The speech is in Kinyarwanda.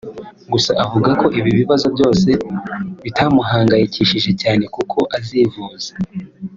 Gusa avuga ko ibi bibazo byose bitamuhangayikishije cyane kuko azivuza